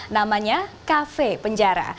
namanya kafe penjara